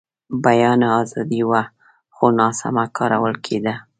بیان ازادي وه، خو ناسمه کارول کېده.